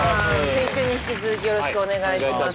先週に引き続きよろしくお願いします